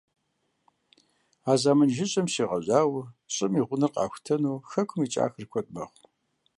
А зэман жыжьэм щегъэжьауэ щӀым и гъунэр къахутэну хэкум икӀахэр куэд мэхъу.